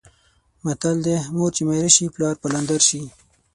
متل دی: مور چې میره شي پلار پلندر شي.